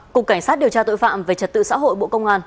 cục cảnh sát điều tra tội phạm về trật tự xã hội bộ công an